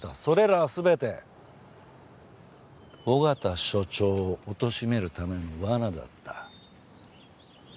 それらはすべて緒方署長をおとしめるためのわなだった。